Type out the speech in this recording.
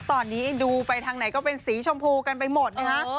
ตอนนี้ดูไปทางไหนก็เป็นสีชมพูกันไปหมดนะฮะ